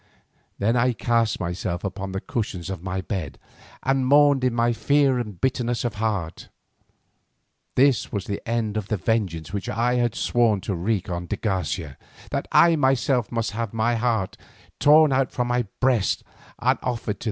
Then I cast myself upon the cushions of my bed and mourned in my fear and bitterness of heart. This was the end of the vengeance which I had sworn to wreak on de Garcia, that I myself must have my heart torn from my breast and offered to a devil.